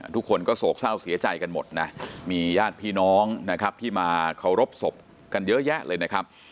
ทุกคนก็โศกเศร้าเสียใจกันหมดนะมีญาติพี่น้องนะครับที่มาเคารพศพกันเยอะแยะเลยนะครับ